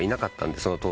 その当時。